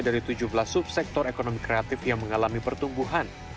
dari tujuh belas subsektor ekonomi kreatif yang mengalami pertumbuhan